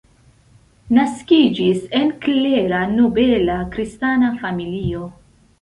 Naskiĝis en klera nobela kristana familio.